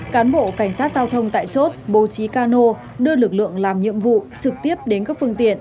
cán bộ cảnh sát giao thông tại chốt bố trí cano đưa lực lượng làm nhiệm vụ trực tiếp đến các phương tiện